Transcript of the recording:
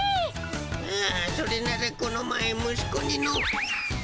ああそれならこの前息子にの。